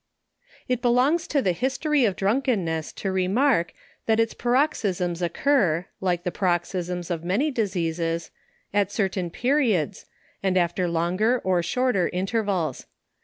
It belongs to the history of drunkenness to remark, that its paroxysms occur, like the paroxysms of many diseases, at certain periods, and after longer or shorter intervals.